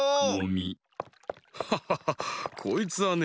ハハハハこいつはね